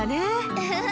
ウフフ！